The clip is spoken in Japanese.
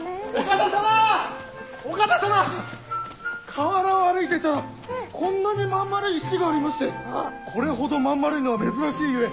河原を歩いていたらこんなに真ん丸い石がありましてこれほど真ん丸いのは珍しいゆえ差し上げます！